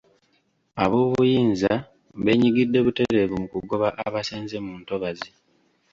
Ab'obuyinza benyigidde butereevu mu kugoba abasenze mu ntobazi.